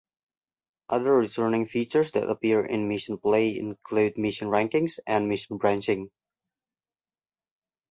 Other returning features that appear in mission play include mission rankings and mission branching.